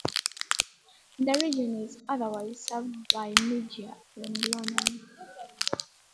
The region is otherwise served by media from London.